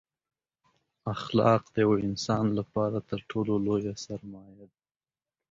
اخلاق دیوه انسان لپاره تر ټولو لویه سرمایه ده